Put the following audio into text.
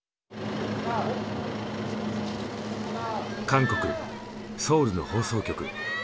韓国・ソウルの放送局。